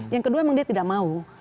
yang kedua memang dia tidak mau